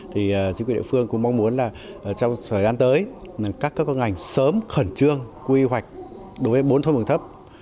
chính quyền địa phương cũng mong muốn trong thời gian tới các ngành sớm khẩn trương quy hoạch đối với bốn thôn vườn thấp